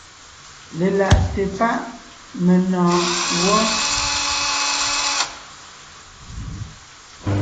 Lelaʼte páʼ menɔ̀ɔn gwɔ́.